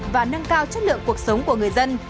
và nâng cao chất lượng cuộc sống của người dân